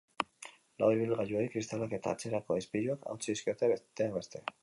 Lau ibilgailuei kristalak eta atzerako ispiluak hautsi dizkiote, besteak beste.